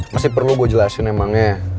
masih perlu gue jelasin emangnya